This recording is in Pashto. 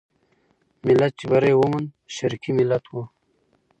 ملت چې بری وموند، شرقي ملت وو.